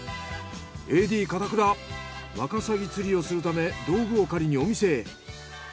ＡＤ片倉ワカサギ釣りをするため道具を借りにお店へ。